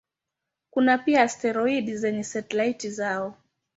Kuna pia asteroidi zenye satelaiti zao.